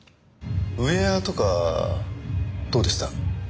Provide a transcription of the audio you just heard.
ウェアとかどうでした？